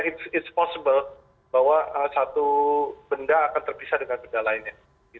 itu ispossible bahwa satu benda akan terpisah dengan benda lainnya